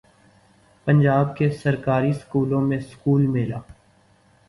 پنجاب کے سرکاری سکولوں میں سکول میل